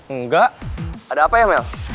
enggak ada apa ya mel